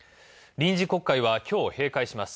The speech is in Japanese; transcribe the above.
臨時国会はきょう閉会します。